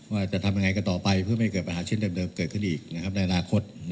ว่าจะทำยังไงกันต่อไปเพื่อไม่ให้เกิดปัญหาเช่นเดิมเกิดขึ้นอีกในอนาคต